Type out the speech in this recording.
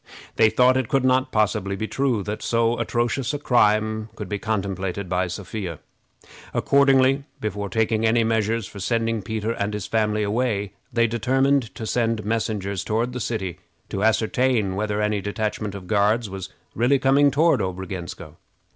They thought it could not possibly be true that so atrocious a crime could be contemplated by Sophia. Accordingly, before taking any measures for sending Peter and his family away, they determined to send messengers toward the city to ascertain whether any detachment of Guards was really coming toward Obrogensko.